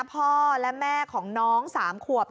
พ่อและแม่ของน้อง๓ขวบ